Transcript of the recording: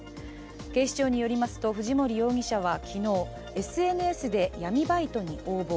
警視庁によりますと、藤森容疑者は昨日、ＳＮＳで闇バイトに応募。